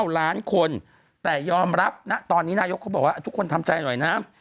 ล้านคนแต่ยอมรับนะตอนนี้นายกเขาบอกว่าทุกคนทำใจหน่อยนะ